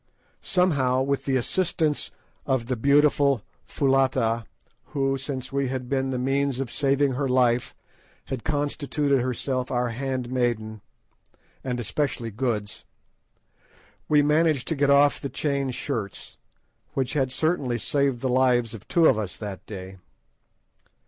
Somehow, with the assistance of the beautiful Foulata, who, since we had been the means of saving her life, had constituted herself our handmaiden, and especially Good's, we managed to get off the chain shirts, which had certainly saved the lives of two of us that day.